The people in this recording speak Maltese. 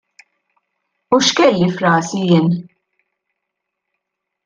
U x'kelli f'rasi jien?